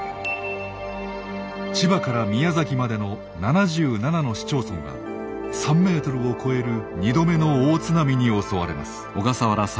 千葉から宮崎までの７７の市町村は３ｍを超える２度目の大津波に襲われます。